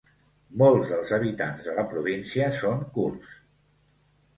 Molts dels habitants de la província són kurds.